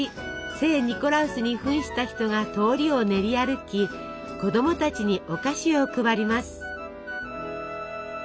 聖ニコラウスにふんした人が通りを練り歩き子どもたちにお菓子を配ります。